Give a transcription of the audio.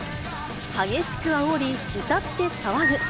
激しくあおり、歌って騒ぐ。